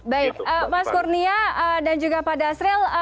baik pak skurnia dan juga pak dasril